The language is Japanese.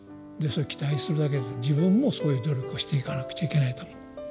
それは期待するだけでなく自分もそういう努力をしていかなくちゃいけないと思う。